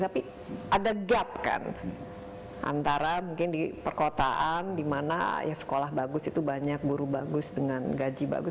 tapi ada gap kan antara mungkin di perkotaan di mana sekolah bagus itu banyak guru bagus dengan gaji bagus